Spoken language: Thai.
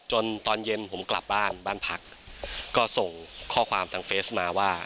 ตอนเย็นผมกลับบ้านบ้านพักก็ส่งข้อความทางเฟสมาว่า